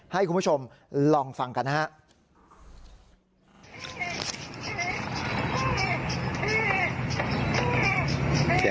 ให้คุณผู้ชมลองฟังกันนะครับ